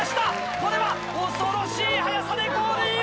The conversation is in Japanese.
これは恐ろしい早さでゴールイン！